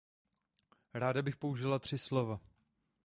Ráda bych použila tři slova.